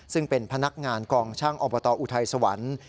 ซึ่งเป็นพนักงานกองช่างอบตอุทัยสวรรค์